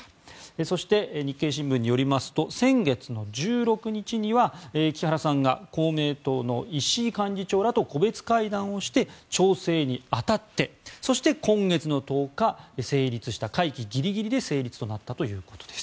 そして、日経新聞によりますと先月の１６日には木原さんが公明党の石井幹事長らと個別会談をして調整に当たってそして今月の１０日、成立した会期ギリギリで成立となったということです。